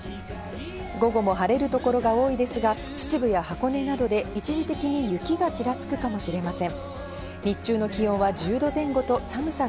午後も晴れる所が多いですが、秩父や箱根などで一時的に雪がちらつくかもしれません。